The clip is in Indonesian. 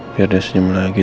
biar dia senyum lagi